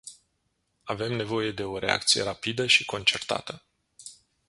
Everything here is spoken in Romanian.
Avem nevoie de o reacție rapidă și concertată.